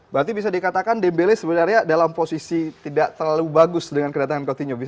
berarti bisa dikatakan dembele sebenarnya dalam posisi tidak terlalu bagus dengan kedatangan coutinho